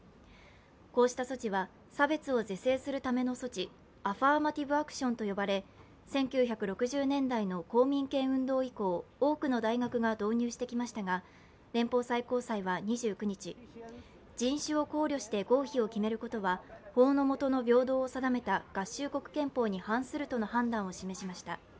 こうした措置は、差別を是正するための措置アファーマティブ・アクションと呼ばれ１９６０年代の公民権運動以降、多くの大学が導入してきましたが、連邦最高裁は２９日、人種を考慮して合否を決めることは法の下の平等を定めた合衆国憲法に反すると判断を示しました。